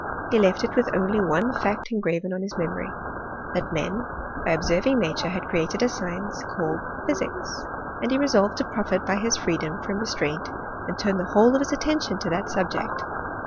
He left it with only one &ct engraven on his memory — ^that men, by ob* lerving nature, had created a science called physics; and he resolved to profit by his freedom from restraint and turn the whole of his attention to that subject.